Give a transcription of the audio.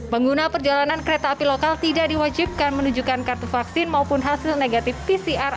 pengguna perjalanan kereta api lokal tidak diwajibkan menunjukkan kartu vaksin maupun hasil negatif pcr